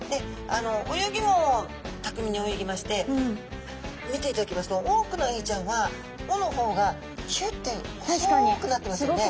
泳ぎもたくみに泳ぎまして見ていただきますと多くのエイちゃんはおの方がひゅって細くなってますよね。